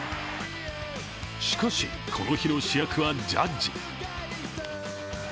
しかし、この日の主役はジャッジ。